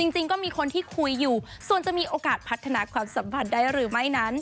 จริงก็มีคนที่คุยอยู่ส่วนจะมีโอกาสพัฒนาความสัมพันธ์ได้หรือไม่นั้น